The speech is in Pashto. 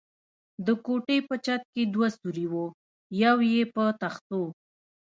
د کوټې په چت کې دوه سوري و، یو یې په تختو.